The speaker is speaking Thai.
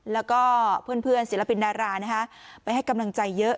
แล้วก็เพื่อนศิลปินดาราไปให้กำลังใจเยอะ